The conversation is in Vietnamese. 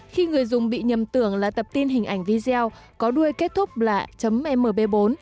khi người dùng bị nhầm tưởng là tập tin hình ảnh video có đuôi kết thúc là mb bốn